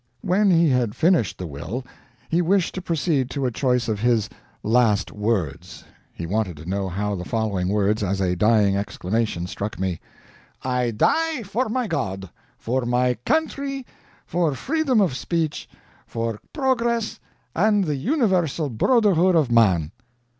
When he had finished the will, he wished to proceed to a choice of his "last words." He wanted to know how the following words, as a dying exclamation, struck me: "I die for my God, for my country, for freedom of speech, for progress, and the universal brotherhood of man!"